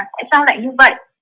tại sao lại như vậy